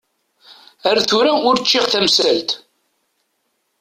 Ar tura ur ččiɣ tamsalt.